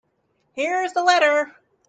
Here is the letter.